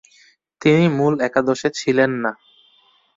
তিনি মূল একাদশে ছিলেন না।